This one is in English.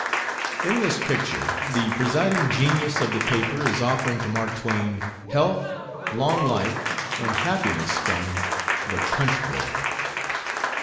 In this picture the presiding genius of the paper is offering to Mark Twain health, long life, and happiness from "The Punch Bowl."